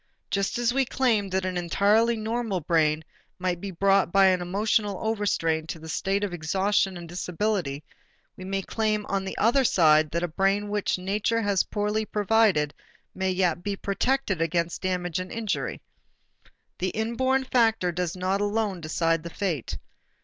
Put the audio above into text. Just as we claimed that an entirely normal brain might be brought by an emotional overstrain to a state of exhaustion and disability, we may claim on the other side that a brain which nature has poorly provided may yet be protected against damage and injury. The inborn factor does not alone decide the fate.